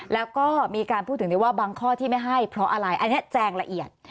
แล้วก็มีการพูดถึงได้ว่าบางข้อที่ไม่ให้เพราะอะไรอันนี้แจงละเอียด